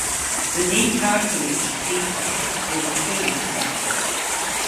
The knee cartilage defects were between in size.